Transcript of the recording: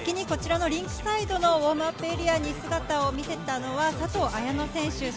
こちらのリンクサイドのウオームアップエリアに姿を見せたのは佐藤綾乃選手。